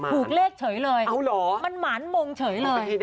ถูกเลขเฉยเลยมันหมานมงเฉยเลย